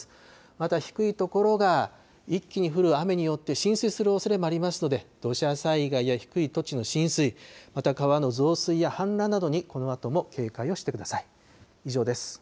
また低い所が一気に降る雨によって、浸水するおそれもありますので、土砂災害や低い土地の浸水、また川の増水や氾濫などに、このあとも警戒をしてください。